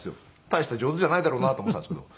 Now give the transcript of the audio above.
大して上手じゃないだろうなと思ってたんですけど